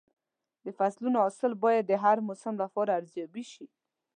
د فصلونو حاصل باید د هر موسم لپاره ارزیابي شي.